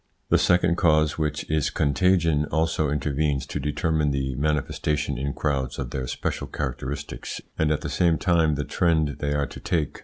The second cause, which is contagion, also intervenes to determine the manifestation in crowds of their special characteristics, and at the same time the trend they are to take.